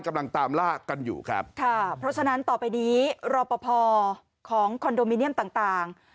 กำลังตามล่ากันอยู่ครับค่ะเพราะฉะนั้นต่อไปนี้รอปภของคอนโดมิเนียมต่างต่าง